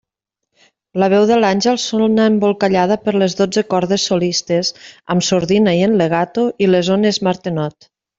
La veu de l'àngel sona embolcallada per les dotze cordes solistes —amb sordina i en legato— i les ones Martenot.